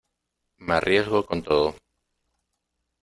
me arriesgo con todo.